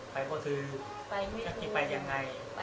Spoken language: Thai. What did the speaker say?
ไปก็คือไปไม่รู้ที่ไปยังไง